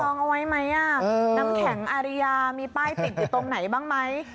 เอาไว้ไหมน้ำแข็งอาริยามีป้ายติดอยู่ตรงไหนบ้างไหม